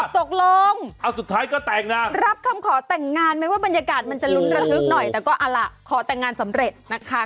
ตอบตกลงรับคำขอแต่งงานไม่ว่าบรรยากาศจะลุ้นระฮึกหน่อยแต่ก็เอาล่ะขอแต่งงานสำเร็จนะคะ